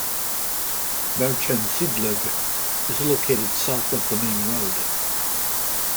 Märchensiedlung is located south of the main road.